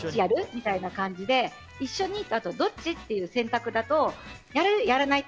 みたいな感じで一緒に、とどっち？っていう選択だといい。